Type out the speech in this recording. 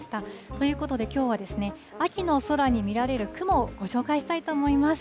ということで、きょうは秋の空に見られる雲をご紹介したいと思います。